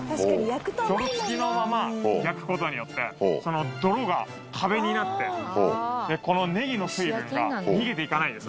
泥付きのまま焼くことによってその泥が壁になってこのねぎの水分が逃げていかないんです